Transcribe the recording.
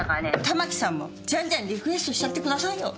たまきさんもじゃんじゃんリクエストしちゃってくださいよ。